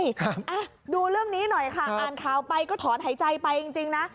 ครับอ่ะดูเรื่องนี้หน่อยค่ะอ่านข่าวไปก็ถอนหายใจไปจริงจริงนะ